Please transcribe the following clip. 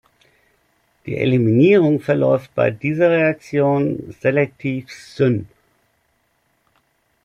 Die Eliminierung verläuft bei dieser Reaktion selektiv "syn".